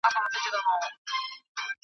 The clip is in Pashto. پلار یې وویل شکوي چي خپل سرونه .